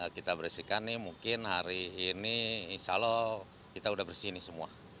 kita bersihkan nih mungkin hari ini insya allah kita udah bersih nih semua